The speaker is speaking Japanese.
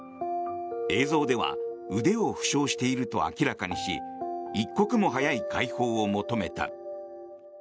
映像では腕を負傷していると明らかにし一刻も早い解放を求めた。